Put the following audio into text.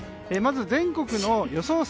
まず全国の予想